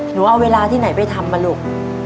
หนูเอาเวลาที่ไหนไปทำมาลูก